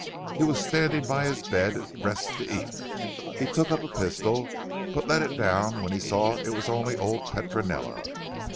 He was standing by his bed dressed to eat. He took up a pistol but let it down when he saw it was only old Petronella."